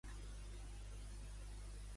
Contra què lluita l'Estat?